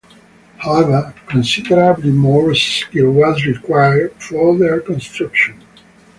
However, considerably more skill was required for their construction.